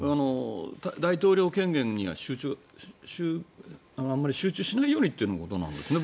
大統領権限にはあまり集中しないようにというのもどうなんだろう。